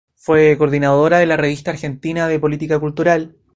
Fue codirectora de la Revista Argentina de Política cultural.